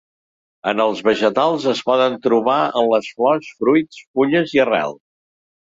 En els vegetals es poden trobar en les flors, fruits, fulles i arrels.